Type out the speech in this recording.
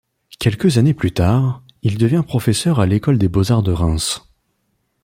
Quelques années plus tard, il devient professeur à l'école des Beaux-Arts de Reims.